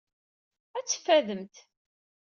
Ad teffademt.